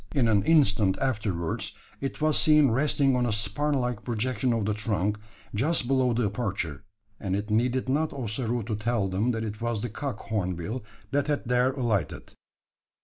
In an instant afterwards, it was seen resting on a spur like projection of the trunk, just below the aperture; and it needed not Ossaroo to tell them that it was the cock hornbill that had there alighted.